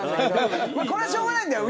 これはしょうがないんだよ。